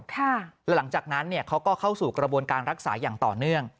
หลังจากนั้นเนี่ยเขาก็เข้าสู่กระบวนการรักษาอย่างต่อเนื่อง